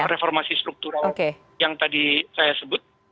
reformasi struktural yang tadi saya sebut